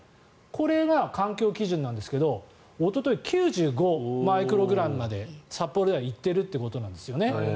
これが環境基準なんですけどおととい９５マイクログラムまで札幌では行っているということなんですね。